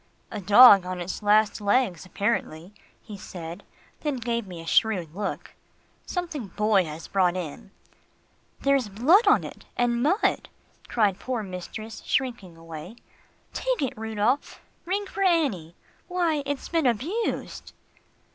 "A dog on its last legs apparently," he said, then he gave me a shrewd look. "Something Boy has brought in." "There's blood on it and mud," cried poor mistress, shrinking away. "Take it, Rudolph. Ring for Annie. Why, it's been abused."